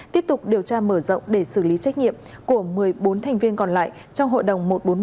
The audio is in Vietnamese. tiếp tục điều tra mở rộng để xử lý trách nhiệm của một mươi bốn thành viên còn lại trong hội đồng một trăm bốn mươi một